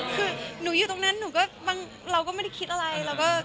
คือหนูอยู่ตรงนั้นเราก็ไม่ได้คิดอะไร